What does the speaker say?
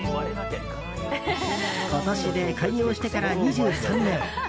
今年で開業してから２３年。